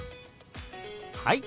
はい！